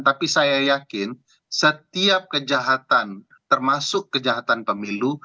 tapi saya yakin setiap kejahatan termasuk kejahatan pemilu